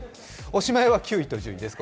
おしまいは９位と１０位です。